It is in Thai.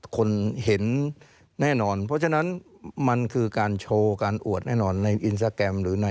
คนเห็นแน่นอนเพราะฉะนั้นมันคือการโชว์การอวดแน่นอนในอินสตาแกรมหรือใน